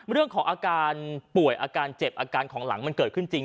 เรื่องของอาการป่วยอาการเจ็บอาการของหลังมันเกิดขึ้นจริง